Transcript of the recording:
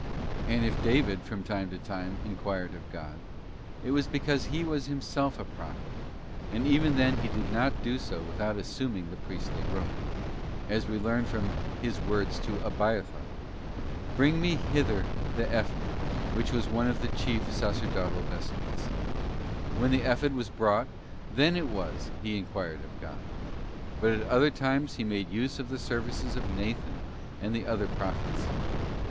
And if David from time to time enquired of God, it was because he was himself a prophet, and even then he did not do so * S. John xix, 30. + Galat, i, 8. through the Church, 160 THE ASCENT OF MOUNT CARMEL. without assuming the priestly robe; as we learn from his words to Abiathar, ' bring me hither the Ephod,'* which was one of the chief sacerdotal vestments. When the Ephod was brought, then it was he enquired of God. But at other times he made use of the services of Nathan and other pro phets.